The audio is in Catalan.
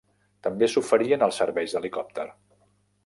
També s'oferien els serveis d'helicòpter.